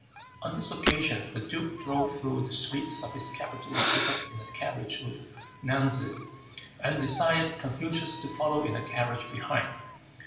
On this occasion the duke drove through the streets of his capital seated in a carriage with Nan tsze, and desired Confucius to follow in a carriage behind.